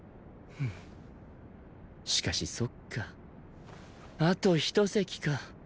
しかしそっかあと一席か。